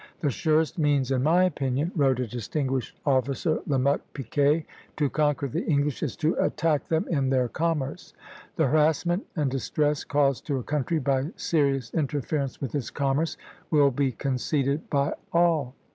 "The surest means in my opinion," wrote a distinguished officer, Lamotte Picquet, "to conquer the English is to attack them in their commerce." The harassment and distress caused to a country by serious interference with its commerce will be conceded by all.